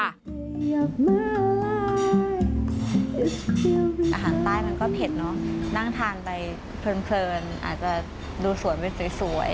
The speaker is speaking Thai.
อาหารใต้มันก็เผ็ดเนอะนั่งทานไปเพลินอาจจะดูสวยไปสวย